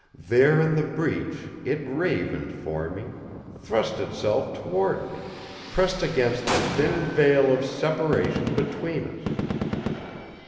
There in the breach It ravened for me, thrust Itself toward me, pressed against the thin veil of separation between us.